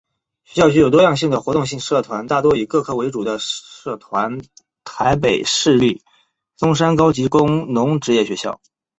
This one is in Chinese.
学校具有多样性的活动性社团大多以各科为主的社团台北市立松山高级工农职业学校